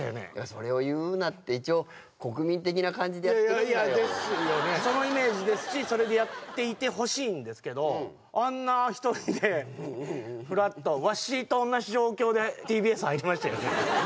それを言うなって一応いやいやですよねそのイメージですしそれでやっていてほしいんですけどうんあんな１人でふらっとでＴＢＳ入りましたよね？